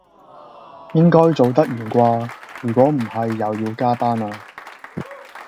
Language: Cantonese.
應該做得完掛，如果唔係又要加班啦